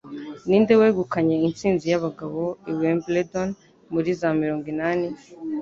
Ninde wegukanye intsinzi y'abagabo i Wimbledon muri za mirongo inani?